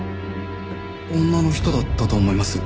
女の人だったと思います